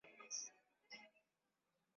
wa G saba kiongozi wa umoja wa mataifa